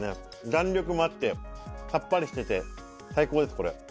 弾力もあってサッパリしてて最高ですこれ。